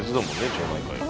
町内会は。